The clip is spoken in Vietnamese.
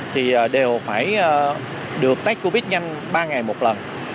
thì đều phải được test covid nhanh ba ngày một lần